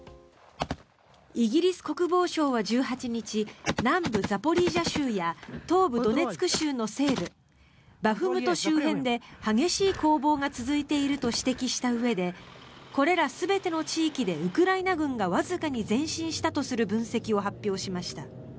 イギリス国防省は１８日南部ザポリージャ州や東部ドネツク州の西部バフムト周辺で激しい攻防が続いていると指摘したうえでこれら全ての地域でウクライナ軍がわずかに前進したとする分析を発表しました。